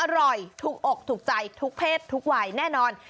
อร่อยถูกอกถูกใจถูกเพศถูกไหวแน่นอน